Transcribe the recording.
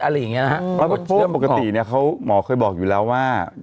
อะไรอย่างเงี้นะฮะซึ่งปกติเนี้ยเขาหมอเคยบอกอยู่แล้วว่า